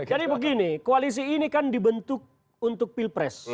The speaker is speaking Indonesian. jadi begini koalisi ini kan dibentuk untuk pilpres